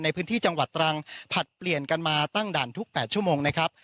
ในพื้นที่จังหวัดตรังผลัดเปลี่ยนกันมาตั้งด่านทุก๘ชั่วโมงนะครับ